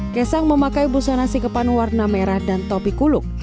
kesang memakai busa nasi kepan warna merah dan topi kuluk